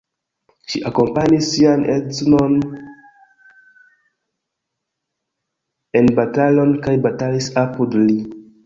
Ŝi akompanis sian edzon en batalon kaj batalis apud li.